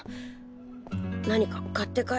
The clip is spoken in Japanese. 何か買って帰ろう。